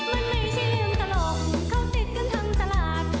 มันไม่ใช่เรื่องตลกเขาติดกันทั้งตลาด